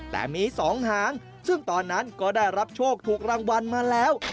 แต่มี๒หางซึ่งตอนนั้นก็ได้รับโชคถูกรางวัลมาแล้ว